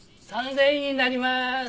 ３０００円になりまーす。